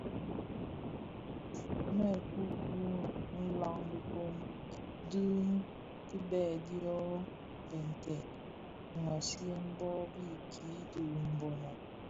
Merke wu nlan dhifombi di kibèè dyo bigtèn nghaghasiyen bon bë nki di Mbono.